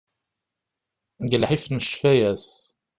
Deg llḥif n ccfayat.